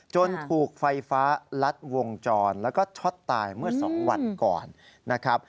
ถูกไฟฟ้าลัดวงจรแล้วก็ช็อตตายเมื่อ๒วันก่อนนะครับ